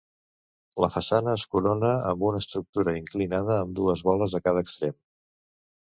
La façana es corona amb una estructura inclinada amb dues boles a cada extrem.